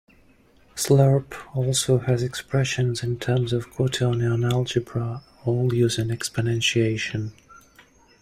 Slerp also has expressions in terms of quaternion algebra, all using exponentiation.